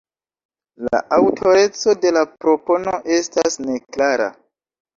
La aŭtoreco de la propono estas neklara.